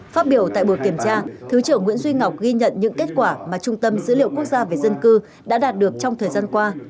phát biểu tại buổi kiểm tra thứ trưởng nguyễn duy ngọc ghi nhận những kết quả mà trung tâm dữ liệu quốc gia về dân cư đã đạt được trong thời gian qua